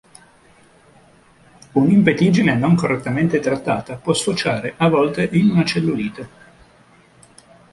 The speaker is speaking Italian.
Un'impetigine non correttamente trattata può sfociare, a volte, in una cellulite.